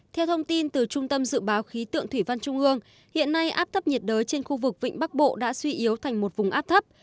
theo thông tin từ trung tâm dự báo khí tượng thủy văn trung ương hiện nay áp thấp nhiệt đới trên khu vực vịnh bắc bộ đã suy yếu thành một vùng áp thấp